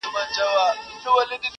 سرې سونډي دي یاره له شرابو زوروري دي,